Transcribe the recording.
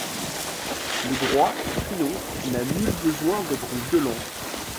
Le droit qui triomphe n'a nul besoin d'être violent.